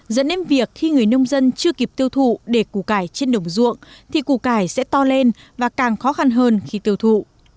dẫn đến việc khi người nông dân chưa kịp tiêu thụ để củ cải trên đồng ruộng thì củ cải sẽ to lên và càng khó khăn hơn khi tiêu thụ